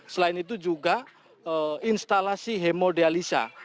selain itu juga instalasi hemodialisa